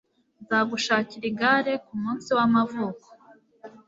Nzagushakira igare kumunsi wamavuko.